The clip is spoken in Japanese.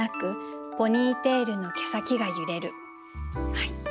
はい。